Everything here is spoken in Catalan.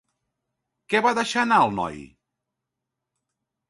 Què va deixar anar el noi?